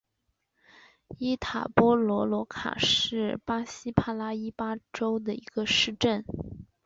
伊塔波罗罗卡是巴西帕拉伊巴州的一个市镇。